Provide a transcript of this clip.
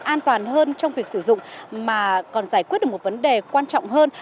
an toàn hơn trong việc sử dụng mà còn giải quyết được một vấn đề quan trọng hơn